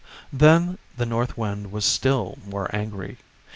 Then the North Wind was still more angry.